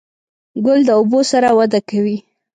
ګل د اوبو سره وده کوي.